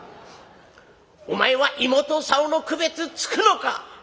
お前は『芋』と『竿』の区別つくのか？」。